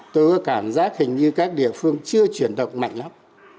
tôi có cảm giác hình như các địa phương chưa chuyển động mạnh lắm